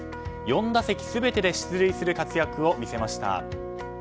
４打席全てで出塁する活躍を見せました。